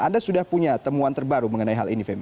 anda sudah punya temuan terbaru mengenai hal ini femi